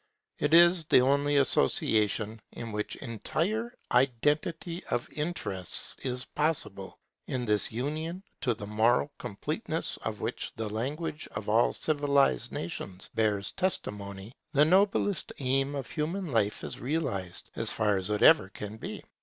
It is the only association in which entire identity of interests is possible. In this union, to the moral completeness of which the language of all civilized nations bears testimony, the noblest aim of human life is realized, as far as it ever can be.